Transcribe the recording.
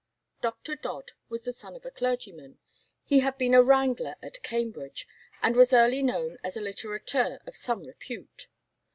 Dr. Dodd was the son of a clergyman. He had been a wrangler at Cambridge, and was early known as a litterateur of some repute.